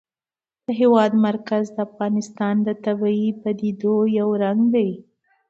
د هېواد مرکز د افغانستان د طبیعي پدیدو یو رنګ دی.